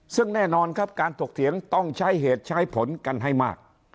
ซึ่งแน่นอนครับการถกเถียงต้องใช้เหตุใช้ผลกันให้มาก